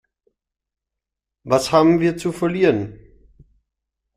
Was haben wir zu verlieren?